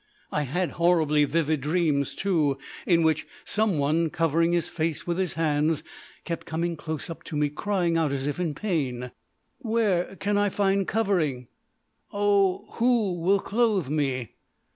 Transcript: I had horribly vivid dreams, too, in which someone covering his face with his hands kept coming close up to me, crying out as if in pain. "Where can I find covering? Oh, who will clothe me?"